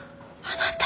あなた。